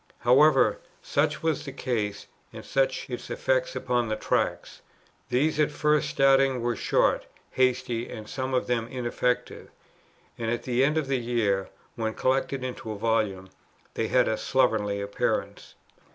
However, such was the case, and such its effect upon the Tracts. These at first starting were short, hasty, and some of them ineffective; and at the end of the year, when collected into a volume, they had a slovenly appearance.